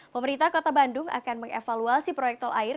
pemerintah kota bandung akan mengevaluasi proyek tol air